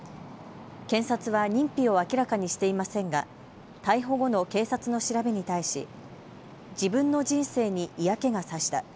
検察は認否を明らかにしていませんが逮捕後の警察の調べに対し自分の人生に嫌気が差した。